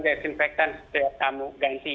desinfektan setiap tamu ganti